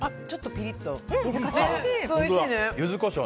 ちょっとピリッと。